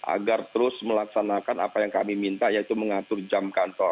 agar terus melaksanakan apa yang kami minta yaitu mengatur jam kantor